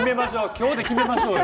今日で決めましょうよ。